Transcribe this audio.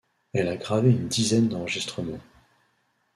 Elle a gravé une dizaine d'enregistrements.